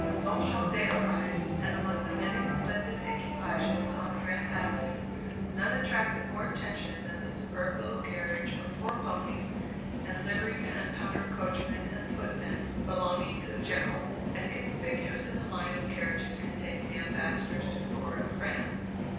Longchamps day arrived, and among the many splendid equipages on the grand avenue, none attracted more attention than the superb little carriage with four ponies and liveried and powdered coachman and footman, belonging to the General, and conspicuous in the line of carriages containing the Ambassadors to the Court of France.